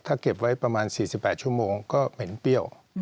ถ้าเก็บไว้ประมาณ๔๘ชั่วโมงก็เห็นเปรี้ยว